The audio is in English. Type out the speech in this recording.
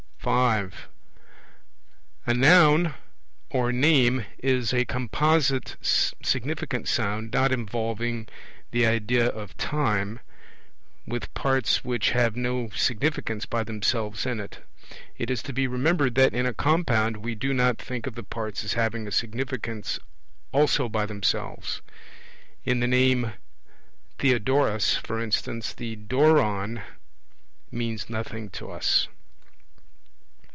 (5) A Noun or name is a composite significant sound not involving the idea of time, with parts which have no significance by themselves in it. It is to be remembered that in a compound we do not think of the parts as having a significance also by themselves; in the name 'Theodorus', for instance, the doron means nothing to us.